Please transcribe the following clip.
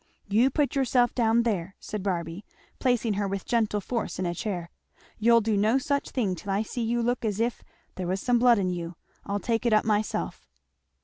"You put yourself down there," said Barby placing her with gentle force in a chair, "you'll do no such a thing till I see you look as if there was some blood in you. I'll take it up myself."